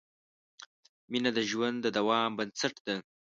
مینه د ژوند د دوام بنسټ ده.